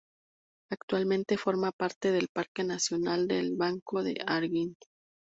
Actualmente forma parte del parque nacional del Banco de Arguin.